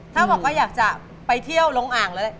ถ้าบอกว่าอยากจะไปเที่ยวลงอ่างแล้ว